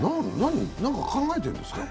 何か考えているんですか？